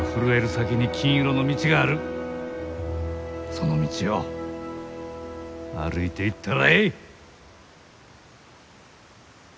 その道を歩いていったらえい！